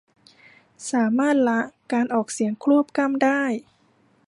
สามารถละการออกเสียงควบกล้ำได้